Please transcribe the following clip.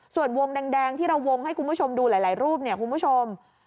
ส่วนวงแดงที่เราวงให้คุณผู้ชมดูหลายรูปเนี่ยคุณผู้ชม